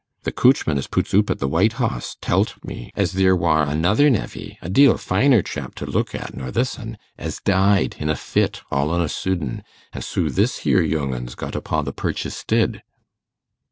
The coochman as puts oop at th' White Hoss tellt me as theer war another nevey, a deal finer chap t' looke at nor this un, as died in a fit, all on a soodden, an' soo this here yoong un's got upo' th' perch istid.